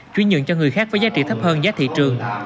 chuyến nhượng cho người khác với giá trị thấp hơn giá thị trường